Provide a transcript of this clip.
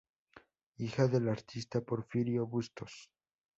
Hija del artista Porfirio Bustos.